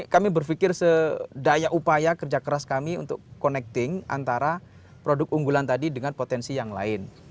kami berpikir sedaya upaya kerja keras kami untuk connecting antara produk unggulan tadi dengan potensi yang lain